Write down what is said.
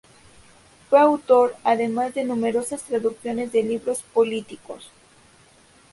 Fue autor, además, de numerosas traducciones de libros políticos.